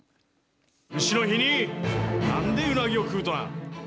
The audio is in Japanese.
うしの日になんでうなぎを食うとな。